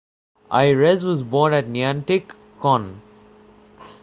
Ayres was born at Niantic, Conn.